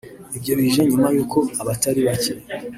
Ibyo bije nyuma y’uko abatari bacye